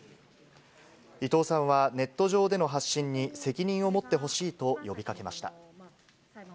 伊藤さんはネット上での発信に責任を持ってほしいと呼びかけました。